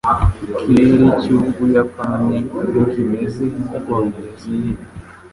Ikirere cy'Ubuyapani ntikimeze nk'Ubwongereza.